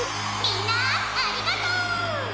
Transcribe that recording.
「みんなありがとう！」。